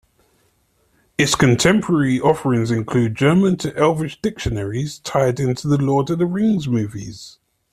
Its contemporary offerings include German-to-Elvish dictionaries tied into the "Lord of the Rings" movies.